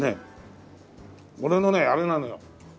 俺のねあれなのよ。